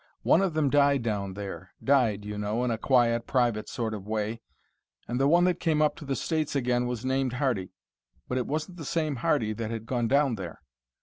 One of them died down there died, you know, in a quiet, private sort of way, and the one that came up to the States again was named Hardy, but it wasn't the same Hardy that had gone down there.